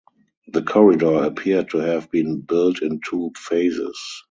The corridor appeared to have been built in two phases.